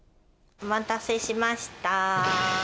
お待たせしました。